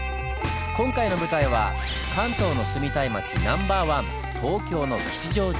今回の舞台は関東の住みたい街ナンバーワン東京の吉祥寺。